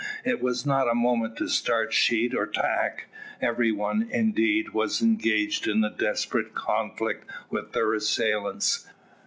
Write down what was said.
It was not a moment to start sheet or tack. Every one, indeed, was engaged in the desperate conflict with their assailants.